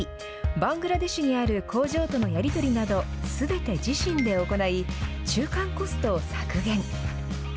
バングラデシュにある工場とのやり取りなどすべて自身で行い中間コストを削減。